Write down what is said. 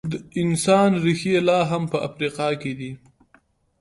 د انسان ریښې لا هم په افریقا کې دي.